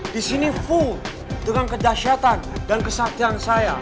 di sini full dengan kedahsyatan dan kesaktian saya